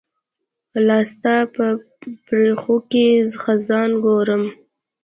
لاستا په پرښوکې خزان ګورم